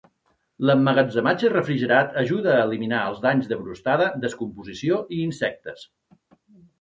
L'emmagatzematge refrigerat ajuda a eliminar els danys de brostada, descomposició i insectes.